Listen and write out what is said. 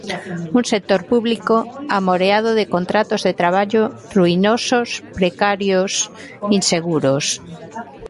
Un sector público amoreado de contratos de traballo ruinosos, precarios, inseguros.